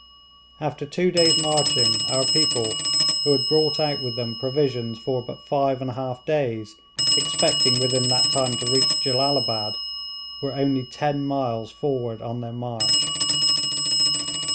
After two days' marching our people, who had brought out with them provisions for but five and a half days, expecting within that time to reach Jellalabad, were only ten miles forward on their march.